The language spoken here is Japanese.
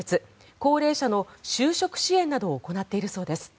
高齢者の就職支援などを行っているそうです。